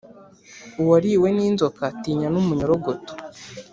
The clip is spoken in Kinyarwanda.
Uwariwe n’inzoka atinya n’umunyorogoto.